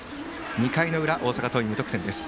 ２回の裏、大阪桐蔭無得点です。